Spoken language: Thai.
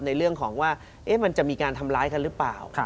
ในเรื่องของว่ามันจะมีการทำร้ายกันหรือเปล่า